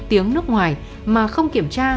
tiếng nước ngoài mà không kiểm tra